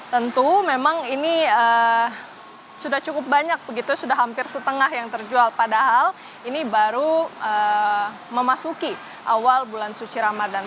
tentu memang ini sudah cukup banyak begitu sudah hampir setengah yang terjual padahal ini baru memasuki awal bulan suci ramadan